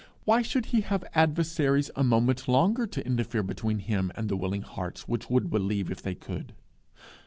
Why should he have Adversaries a moment longer to interfere between him and the willing hearts which would believe if they could?